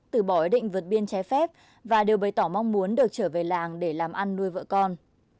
từ bỏ ý định vượt biên trái phép và đều bày tỏ mong muốn được trở về làng để làm ăn nuôi vợ con